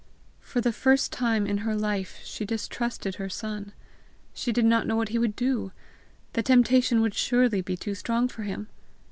For the first time in her life she distrusted her son. She did not know what he would do! The temptation would surely be too strong for him!